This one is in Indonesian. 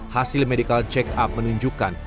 hasil medical check up menunjukkan